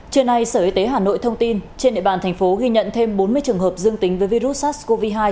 trưa nay sở y tế hà nội thông tin trên địa bàn thành phố ghi nhận thêm bốn mươi trường hợp dương tính với virus sars cov hai